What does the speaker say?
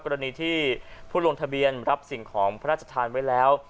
กรณีที่ผู้ลงทะเบียนรับสิ่งของพระราชทานไว้แล้ว